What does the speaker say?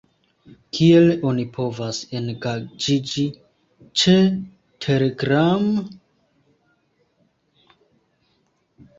Kiel oni povas engaĝiĝi ĉe Telegram?